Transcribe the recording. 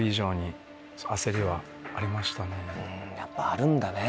やっぱあるんだね。